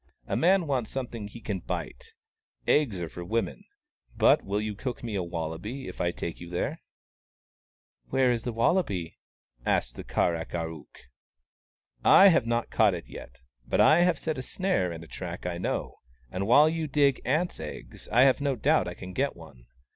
" A man wants something he can bite — eggs are for women. But will you cook me a wallaby if I take you there ?"" Where is the wallaby ?" asked the Kar ak ar 00k. " I have not caught it yet. But I have set a snare in a track I know — and while you dig ants' eggs I have no doubt I can get one.